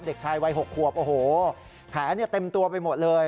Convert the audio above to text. เด็กชายวัย๖ขวบโอ้โหแผลเต็มตัวไปหมดเลย